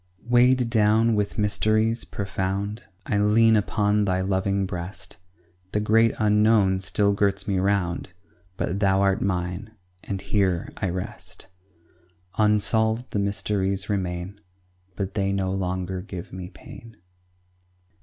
Weighed down with mysteries profound I lean upon Thy loving breast; The great unknown still girts me round, But Thou art mine, and here I rest; Unsolved the mysteries remain; But they no longer give me pain.